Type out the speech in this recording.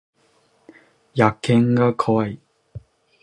野犬が怖い